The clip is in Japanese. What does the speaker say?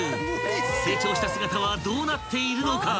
成長した姿はどうなっているのか？］